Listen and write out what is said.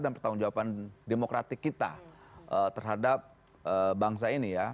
dan pertanggung jawaban demokratik kita terhadap bangsa ini ya